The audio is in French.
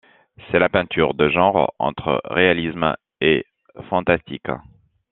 C’est la peinture de genre, entre réalisme et fantastique.